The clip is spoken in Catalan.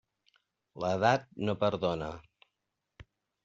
L'edat no perdona.